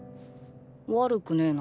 悪くねェな。